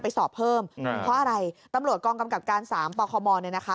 ไปสอบเพิ่มเพราะอะไรตำลวดกองกำกับการสามปลอคอมอลนี่นะคะ